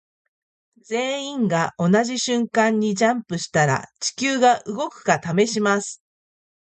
全員が同じ瞬間にジャンプしたら地球が動くか試します。